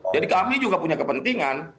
jadi kami juga punya kepentingan